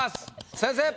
先生！